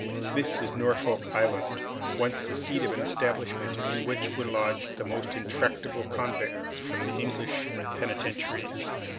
This is Norfolk Island, once the seat of an establishment in which were lodged the most intractable convicts from the English penitentiaries.